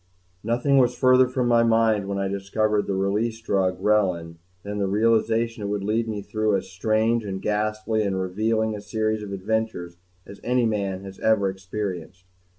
COBLENTZ I Nothing was further from my mind, when I discovered the "Release Drug" Relin, than the realization that it would lead me through as strange and ghastly and revealing a series of adventures as any man has ever experienced.